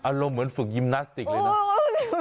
อารมณ์เหมือนฝึกยิมนาสติกเลยเนอะ